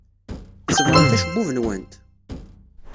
Tsebbɣemt acebbub-nwent?